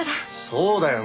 そうだよ！